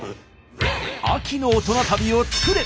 秋の大人旅を作れ！